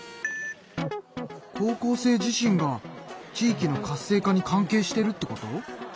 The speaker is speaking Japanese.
高校生自身が地域の活性化に関係してるってこと？